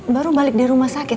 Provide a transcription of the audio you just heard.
baru balik di rumah sakit